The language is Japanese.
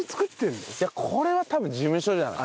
これは多分事務所じゃない？